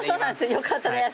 よかったです。